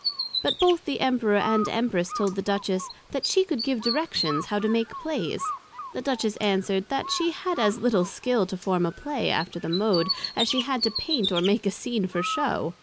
But both the Emperor and the Empress told the Duchess, That she could give directions how to make Plays. The Duchess answered, That she had as little skill to form a Play after the Mode, as she had to paint or make a Scene for shew.